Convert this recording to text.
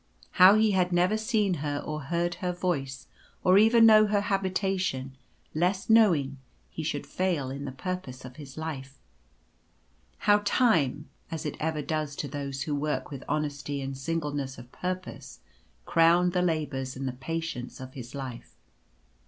How he had never seen her or heard her voice, or even known her habitation, lest, knowing, he should fail in the purpose of his life. How time as it ever does to those who work with Love's Victory. 135 honesty and singleness of purpose — crowned the labours and the patience of his life.